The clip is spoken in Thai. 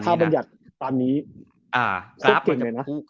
ถ้ามันอยากตามนี้โคตรเก่งเลยนะ